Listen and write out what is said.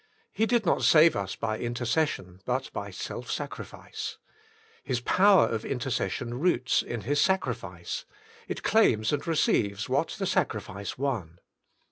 He did not save us by intercession, but by self sacrifice. His power of intercession roots in His sacrifice : it claims and receives what the sacrifice won.